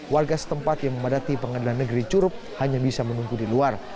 warga setempat yang memadati pengadilan negeri curup hanya bisa menunggu di luar